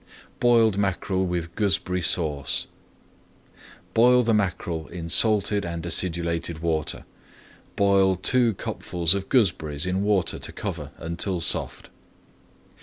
BOILED MACKEREL WITH GOOSEBERRY SAUCE Boil the mackerel in salted and acidulated water. Boil two cupfuls of gooseberries in water to cover until soft.